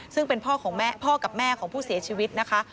ซึ่งเป็นพ่อของแม่พ่อกับแม่ของผู้เสียชีวิตนะคะ